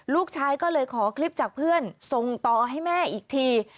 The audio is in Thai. ลูกชายก็เลยขอคลิปจากเพื่อนส่งต่อให้แม่อีกที